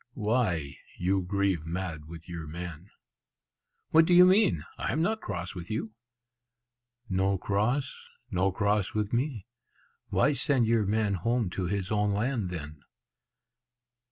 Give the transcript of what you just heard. "Why, you grieve mad with your man?" "What do you mean? I am not cross with you." "No cross? no cross with me? Why send your man home to his own land, then?"